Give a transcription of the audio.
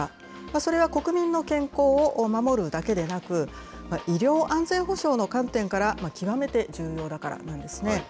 それは国民の健康を守るだけでなく、医療安全保障の観点から、極めて重要だからなんですね。